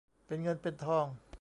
เป็นเงินเป็นทอง